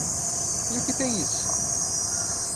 E o que tem isso?